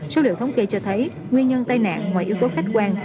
số liệu thống kê cho thấy nguyên nhân tai nạn ngoài yếu tố khách quan